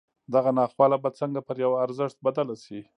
دغه ناخواله به څنګه پر يوه ارزښت بدله شي.